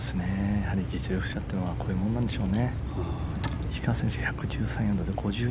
やはり実力者というのはこういうものなんでしょうね。